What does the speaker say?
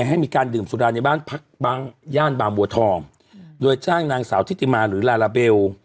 ให้มีการดื่มสุราในบ้านพักบังย่านบางบัวทองโดยจ้างนางสาวทิติมาหรือลาลาเบล